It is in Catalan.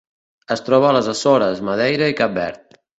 Es troba a les Açores, Madeira i Cap Verd.